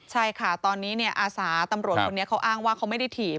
ใช่ค่ะตอนนี้อาสาตำรวจคนนี้เขาอ้างว่าเขาไม่ได้ถีบ